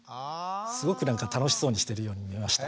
すごく楽しそうにしているように見えました。